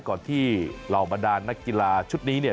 ก่อนที่รอบรรดานักกีฬาชุดนี้